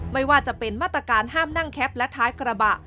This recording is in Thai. ไม่ว่าจะเป็นมาตรการห้ามนั่งแคปและท้ายกระบะ